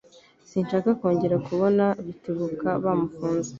Sinshaka kongera kubona Rutebuka bamufunze.